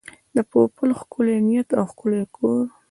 د پوپل ښکلی نیت او ښکلی کور.